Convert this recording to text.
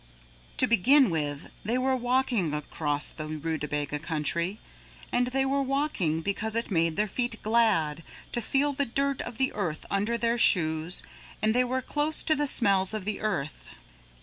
To begin with, they were walking across the Rootabaga Country. And they were walking because it made their feet glad to feel the dirt of the earth under their shoes and they were close to the smells of the earth.